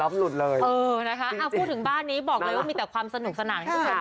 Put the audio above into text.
พูดถึงบ้านนี้บอกเลยว่ามีแต่ความสนุกสนั่ง